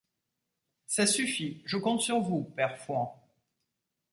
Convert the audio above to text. Ça suffit, je compte sur vous, père Fouan.